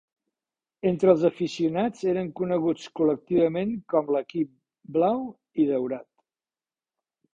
Entre els aficionats, eren coneguts col·lectivament com l'equip "blau i daurat".